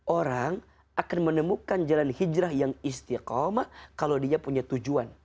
orang akan menemukan jalan hijrah yang istiqomah kalau dia punya tujuan